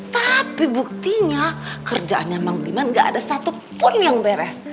tapi buktinya kerjaannya bang diman gak ada satupun yang beres